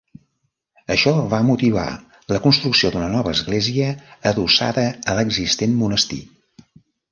Això va motivar la construcció una nova església adossada a l'existent monestir.